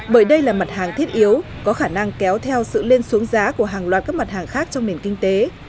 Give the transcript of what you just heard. bởi đây là mặt hàng thiết yếu có khả năng kéo theo sự lên xuống giá của hàng loạt các mặt hàng khác trong nền kinh tế